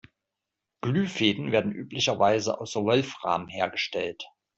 Glühfäden werden üblicherweise aus Wolfram hergestellt.